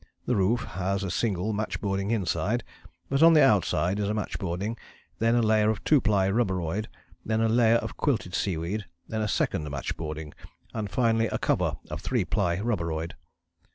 The roof has a single match boarding inside, but on the outside is a match boarding, then a layer of 2 ply ruberoid, then a layer of quilted seaweed, then a second match boarding, and finally a cover of 3 ply ruberoid."